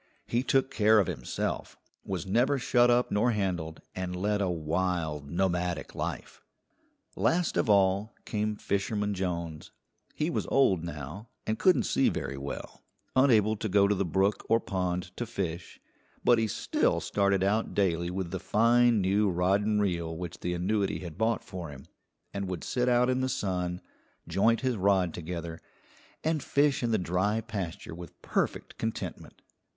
He took care of himself, was never shut up nor handled, and led a wild, nomadic life. Last of all came Fisherman Jones. He was old now and couldn't see very well, unable to go to the brook or pond to fish, but he still started out daily with the fine new rod and reel which the annuity had bought for him, and would sit out in the sun, joint his rod together, and fish in the dry pasture with perfect contentment.